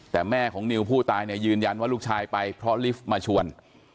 แต่แม่ของนิวผู้ตายเนี่ยยืนยันว่าลูกชายไปเพราะลิฟต์มาชวน